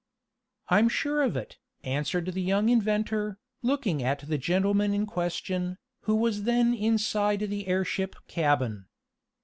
"I'm sure of it," answered the young inventor, looking at the gentleman in question, who was then inside the airship cabin.